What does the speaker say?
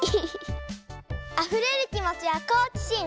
あふれるきもちはこうきしん！